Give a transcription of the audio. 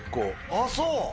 あっそう。